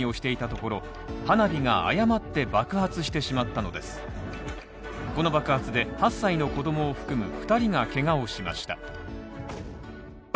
この爆発で、８歳の子供を含む２人がけがをしました。